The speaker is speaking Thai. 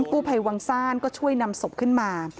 กู้ภัยวังซ่านก็ช่วยนำศพขึ้นมา